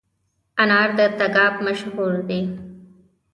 انار د تګاب مشهور دي